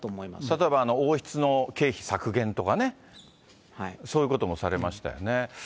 例えば王室の経費削減とかね、そういうこともされましたよね。